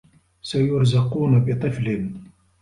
سيرزقون بطفل.